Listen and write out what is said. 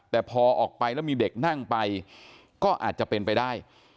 แต่พอออกไปแล้วมีเด็กนั่งไปก็อาจจะเป็นไปได้